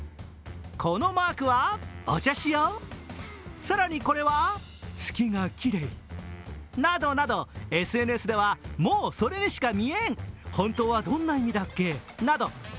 このマークは「お茶しよう」、更にこれは、「月がきれい」などなどＳＮＳではもうそれにしか見えん、本当はどんな意味だっけ？など